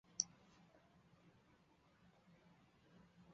其目前为中的效力。